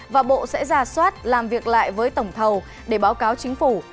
và bộ sẽ ra soát làm việc lại với tổng thầu để báo cáo chính phủ